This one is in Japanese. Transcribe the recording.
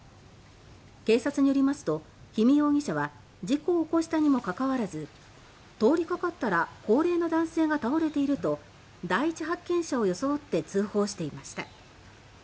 警察によりますと氷見容疑者は、事故を起こしたのにも関わらず「通りかかったら高齢の男性が倒れている」と第一発見者を装って通報をしていました。